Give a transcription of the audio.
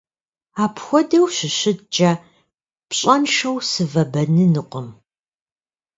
Апхуэдэу щыщыткӀэ, пщӀэншэу сывэбэнынукъым.